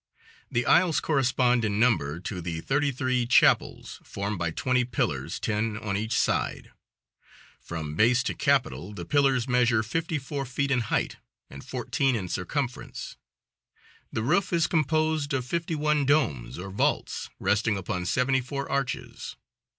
The aisles correspond in number to the thirty three chapels, formed by twenty pillars, ten on each side; from base to capital the pillars measure fifty four feet in height, and fourteen in circumference. The roof is composed of fifty one domes or vaults, resting upon seventy four arches.